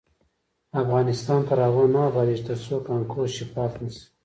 افغانستان تر هغو نه ابادیږي، ترڅو کانکور شفاف نشي.